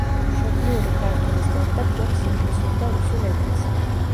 მშობლიური ქართულის გარდა ფლობს ინგლისურ და რუსულ ენებს.